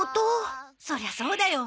そりゃそうだよ。